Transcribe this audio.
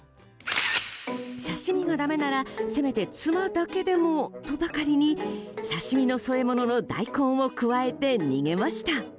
刺し身がだめならせめて、ツマだけでもとばかりに刺し身の添え物の大根をくわえて逃げました。